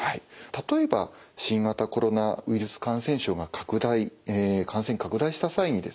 例えば新型コロナウイルス感染症が拡大感染拡大した際にですね